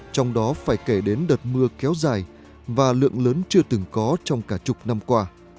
trong đó phải kể đến đợt mưa kéo dài và lượng lớn chưa từng có trong cả chục năm qua